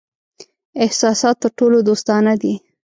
احساسات تر ټولو دوستانه دي.